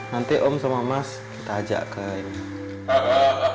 nanti om sama mas kita ajak ke ini